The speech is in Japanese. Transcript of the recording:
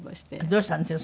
どうしたんですか？